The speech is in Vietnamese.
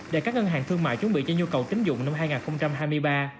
để các ngân hàng thương mại chuẩn bị cho nhu cầu tính dụng năm hai nghìn hai mươi ba